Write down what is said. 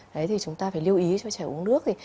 đấy thì chúng ta phải lưu ý cho trẻ uống nước